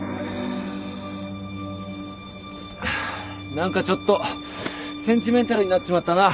何かちょっとセンチメンタルになっちまったな。